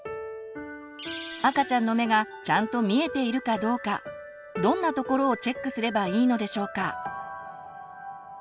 赤ちゃんの目がちゃんと見えているかどうかどんなところをチェックすればいいのでしょうか？